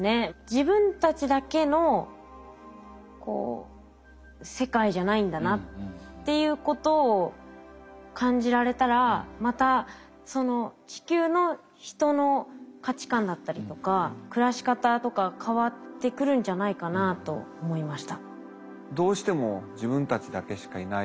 自分たちだけの世界じゃないんだなっていうことを感じられたらまたその地球の人の価値観だったりとか暮らし方とか変わってくるんじゃないかなと思いました。